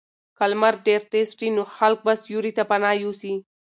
که لمر ډېر تېز شي نو خلک به سیوري ته پناه یوسي.